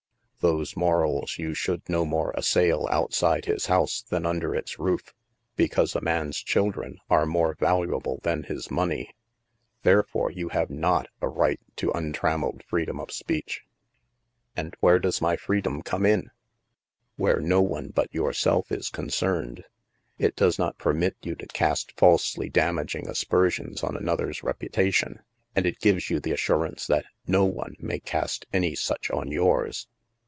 Those morals you should no more assail outside his house than under its roof, because a man's children are more valuable than his money. Therefore you have not a right to untrammeled freedc«n of speech." And where does my freedom come in ?" Where no one but yourself is concerned. It does not permit you to cast falsely damaging asper sions on another's reputation, and it gives you the assurance that no one may cast any such on yours.